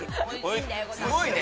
すごいね！